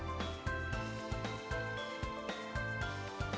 mari kita berikan tepuk tangan sekali lagi yang meriah